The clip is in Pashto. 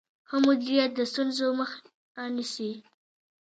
ښه مدیریت د ستونزو مخه نیسي.